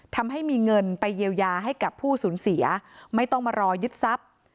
ทำให้มีเงินไปเยียวยาให้กับผู้สูญเสียไม่ต้องมารอยึดทรัพย์